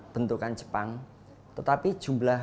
bentukan jepang tetapi jumlah